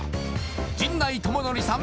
陣内智則さん